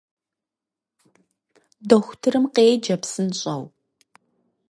Дохутырым къеджэ псынщӏэу!